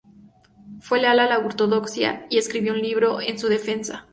Fue leal a la ortodoxia y escribió un libro en su defensa.